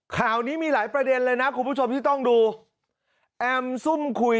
ข่าวนี้มีหลายประเด็นเลยนะคุณผู้ชมที่ต้องดูแอมซุ่มคุย